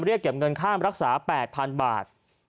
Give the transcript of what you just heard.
เรียกเก็บเงินค่ารักษา๘๐๐๐บาท